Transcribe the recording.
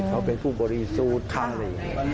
เขาเป็นผู้บริสุทธิ์